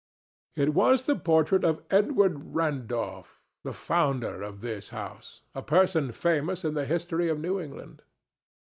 It was the portrait of Edward Randolph, the founder of this house, a person famous in the history of New England."